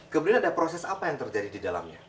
kemudian ada proses apa yang terjadi di dalamnya